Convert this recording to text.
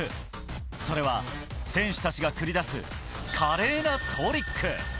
それは、選手たちが繰り出す華麗なトリック。